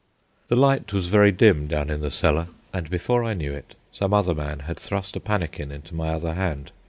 The light was very dim down in the cellar, and before I knew it some other man had thrust a pannikin into my other hand.